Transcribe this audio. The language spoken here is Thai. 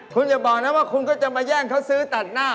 คุณอย่าบอกนะว่าคุณก็จะมาแย่งเขาซื้อตัดหน้า